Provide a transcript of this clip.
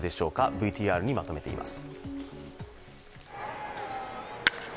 ＶＴＲにまとめています。